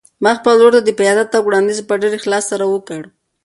ما خپل ورور ته د پیاده تګ وړاندیز په ډېر اخلاص سره وکړ.